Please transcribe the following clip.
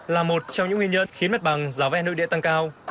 là một trong những nguyên nhân khiến mặt bằng giá vé nội địa tăng cao